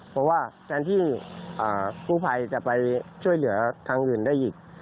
เพราะว่าแทนที่กู้ภัยจะไปช่วยเหลือทางอื่นได้อีก